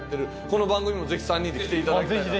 この番組にもぜひ３人で来て頂きたいなと。